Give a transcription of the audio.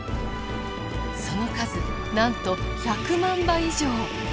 その数なんと１００万羽以上。